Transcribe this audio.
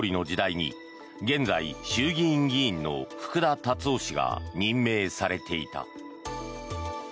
福田康夫元総理の時代に現在、衆議院議員の福田達夫氏が任命されていた。